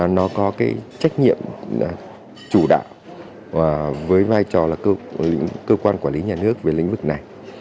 nó có cái trách nhiệm chủ đạo và với vai trò là cơ quan quản lý nhà nước về lĩnh vực này